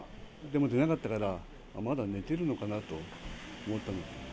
でも出なかったから、まだ寝てるのかなと思ったんです。